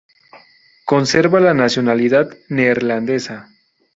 Conserva la nacionalidad neerlandesa.